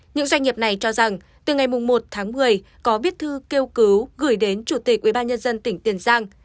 những doanh nghiệp này cho rằng từ ngày một tháng một mươi có biết thư kêu cứu gửi đến chủ tịch ubnd tỉnh tiền giang